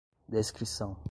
descrição